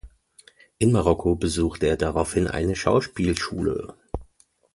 In Marokko besuchte er daraufhin eine Schauspielschule.